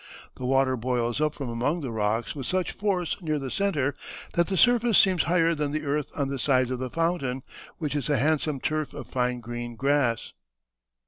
The water boils up from among the rocks with such force near the centre, that the surface seems higher than the earth on the sides of the fountain, which is a handsome turf of fine green grass."